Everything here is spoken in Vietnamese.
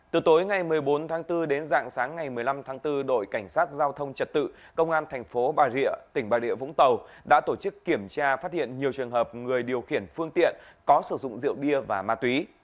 từ tối ngày một mươi bốn tháng bốn đến dạng sáng ngày một mươi năm tháng bốn đội cảnh sát giao thông trật tự công an thành phố bà rịa tỉnh bà địa vũng tàu đã tổ chức kiểm tra phát hiện nhiều trường hợp người điều khiển phương tiện có sử dụng rượu bia và ma túy